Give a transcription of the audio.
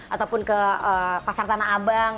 ataupun ke pasar tanah abang